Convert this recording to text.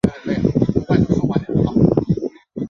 红腿象龟是来自南美洲北部的一种受欢迎的宠物龟。